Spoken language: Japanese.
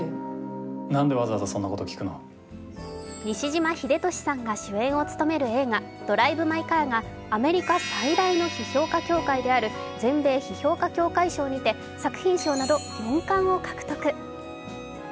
西島秀俊さんが主演を務める映画、「ドライブ・マイ・カー」がアメリカ最大の批評家協会である全米批評家協会賞にて作品賞など４冠を獲得。